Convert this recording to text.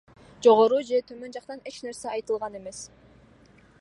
Жогору же төмөн жактан эч нерсе айтылган эмес.